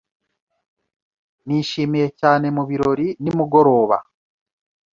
Nishimiye cyane mu birori nimugoroba.